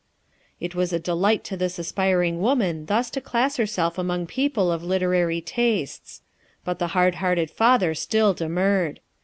" It was a delight to this aspiring woman thus to class herself among people of literary tastes. But the hard hearted father still demurred.